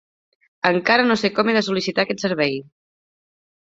Encara no sé com he de sol·licitar aquest servei.